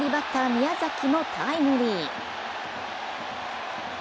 宮崎もタイムリー。